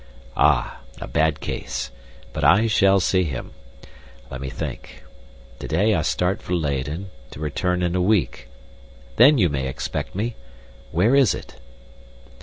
"Ah! a bad case, but I shall see him. Let me think. Today I start for Leyden, to return in a week, then you may expect me. Where is it?"